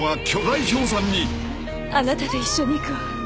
あなたと一緒に行くわ。